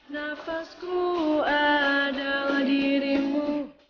nafasku adalah dirimu